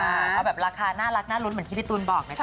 ก็แบบราคาน่ารักน่ารุ้นเหมือนที่พี่ตูนบอกนะคะ